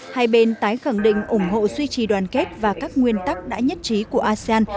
hai bên tái khẳng định ủng hộ suy trì đoàn kết và các nguyên tắc đã nhất trí của asean